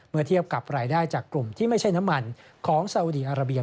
เทียบกับรายได้จากกลุ่มที่ไม่ใช่น้ำมันของสาวุดีอาราเบีย